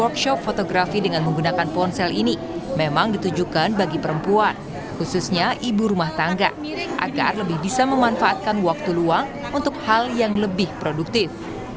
khususnya ibu rumah tangga agar lebih bisa memanfaatkan waktu luang untuk hal yang lebih produktif